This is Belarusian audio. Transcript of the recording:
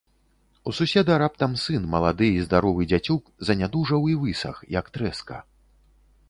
У суседа раптам сын, малады і здаровы дзяцюк, занядужаў і высах, як трэска.